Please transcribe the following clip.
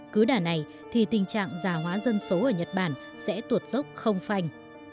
cứ đà này thì tình trạng già hóa dân số ở nhật bản sẽ tuột dốc không phanh